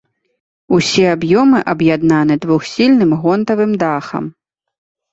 Усе аб'ёмы аб'яднаны двухсхільным гонтавым дахам.